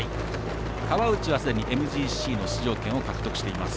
川内は、ＭＧＣの出場権を獲得しています。